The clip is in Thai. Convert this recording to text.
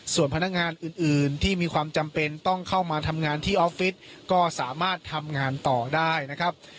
ส่วนพนักงานอื่นที่มีความจำเป็นต้องเข้ามาทำงานที่ออฟฟิศก็สามารถทำงานต่อได้นะครับ